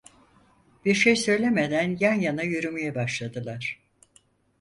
Bir şey söylemeden yan yana yürümeye başladılar.